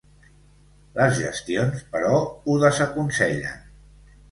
Les gestions, però, ho desaconsellen.